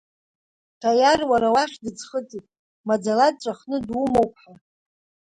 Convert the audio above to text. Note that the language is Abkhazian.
Ҭаиар уара уахь дыӡхыҵит, маӡала дҵәахны думоуп ҳәа.